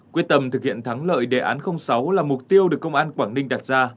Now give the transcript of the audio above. quyết tâm thực hiện thắng lợi đề án sáu là mục tiêu được công an quảng ninh đặt ra